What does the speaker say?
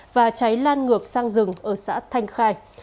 và cháy lan ngược sang rừng ở xã thanh khai